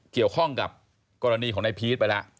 เกี่ยวข้องกับกรณีของนายพีชไปแล้ว